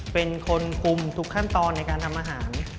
เป็นคนกลุ่มทุกขั้นตอนในการทำอาหาร